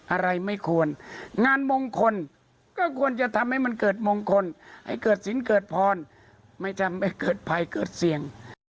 อะไรไม่ควรงานมงคลก็ควรจะทำให้มันเกิดมงคลให้เกิดสินเกิดพรไม่ทำให้เกิดภัยเกิดเสี่ยง